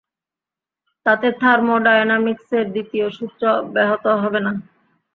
তাতে থার্মোডায়নামিক্সের দ্বিতীয় সূত্র ব্যাহত হবে না।